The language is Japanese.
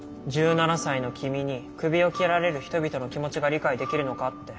１７才の君にクビを切られる人々の気持ちが理解できるのかって。